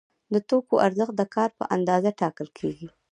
د توکو ارزښت د کار په اندازه ټاکل کیږي.